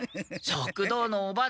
食堂のおばちゃん